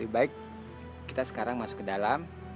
baik kita sekarang masuk ke dalam